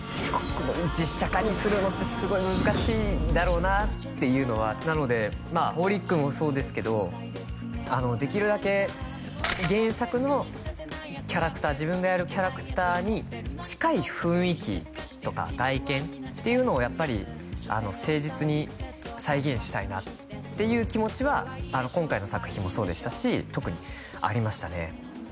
実写化にするのってすごい難しいだろうなっていうのはなのでまあ「ホリック」もそうですけどあのできるだけ原作のキャラクター自分がやるキャラクターに近い雰囲気とか外見っていうのをやっぱり誠実に再現したいなっていう気持ちは今回の作品もそうでしたし特にありましたね